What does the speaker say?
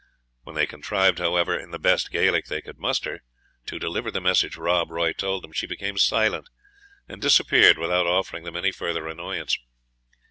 When they contrived, however, in the best Gaelic they could muster, to deliver the message Rob Roy told them, she became silent, and disappeared without offering them any further annoyance.